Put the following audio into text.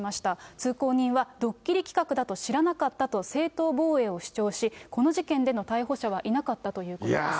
通行人は、ドッキリ企画だと知らなかったと正当防衛を主張し、この事件での逮捕者はいなかったということです。